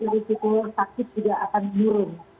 risiko sakit juga akan turun